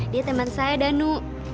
dia teman saya danu